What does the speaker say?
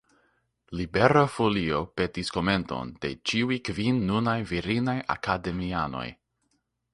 Libera Folio petis komenton de ĉiuj kvin nunaj virinaj akademianoj.